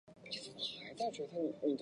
氨基脲药物中呋喃西林的代谢物。